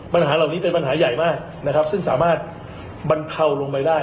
ปัญหาเหล่านี้เป็นปัญหาใหญ่มากนะครับซึ่งสามารถบรรเทาลงไปได้